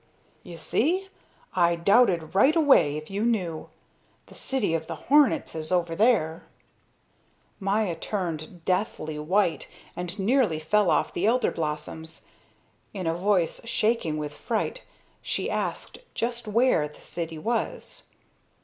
"You see! I doubted right away if you knew. The city of the hornets is over there." Maya turned deathly white and nearly fell off the elder blossoms. In a voice shaking with fright, she asked just where the city was.